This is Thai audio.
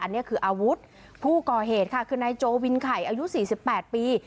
อันนี้คืออาวุธผู้ก่อเหตุค่ะคือนายโจวินไข่อายุ๔๘ปี